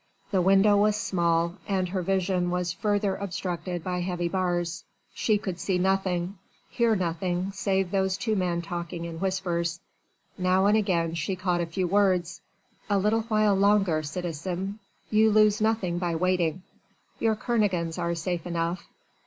The window was small and her vision was further obstructed by heavy bars. She could see nothing hear nothing save those two men talking in whispers. Now and again she caught a few words: "A little while longer, citizen ... you lose nothing by waiting. Your Kernogans are safe enough.